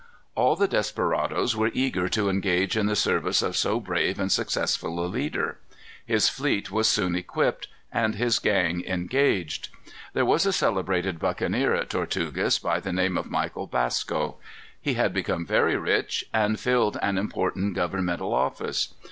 All the desperadoes were eager to engage in the service of so brave and successful a leader. His fleet was soon equipped, and his gang engaged. There was a celebrated buccaneer at Tortugas, by the name of Michael Basco. He had become very rich, and filled an important governmental office.